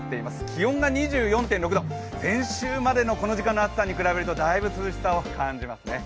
気温が２４．６度、先週までのこの時間の暑さに比べるとだいぶ涼しさを感じますね。